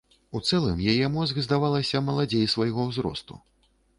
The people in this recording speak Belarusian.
У цэлым, яе мозг, здавалася маладзей свайго ўзросту.